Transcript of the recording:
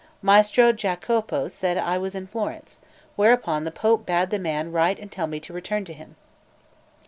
Maestro Giacopo said I was in Florence; whereupon the Pope bade the man write and tell me to return to him.